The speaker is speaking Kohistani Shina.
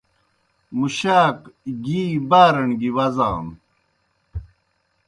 مُشاک گی بارَݨ گیْ وزانوْ۔